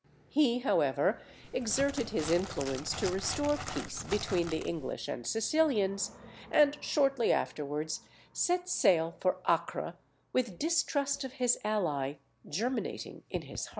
He, however, exerted his influence to restore peace between the English and Sicilians, and shortly afterwards set sail for Acre, with distrust of his ally germinating in his heart.